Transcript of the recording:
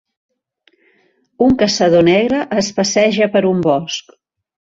Un caçador negre es passeja per un bosc.